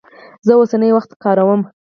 زه اوسنی وخت کاروم.